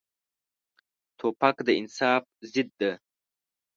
توپک د انصاف ضد دی.